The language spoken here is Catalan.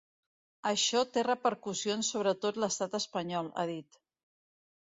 Això té repercussions sobre tot l’estat espanyol, ha dit.